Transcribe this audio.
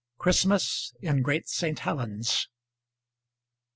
CHRISTMAS IN GREAT ST. HELENS.